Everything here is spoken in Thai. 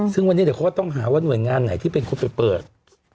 ซึ่งวันนี้เดี๋ยวเขาก็ต้องหาว่าหน่วยงานไหนที่เป็นคนไปเปิด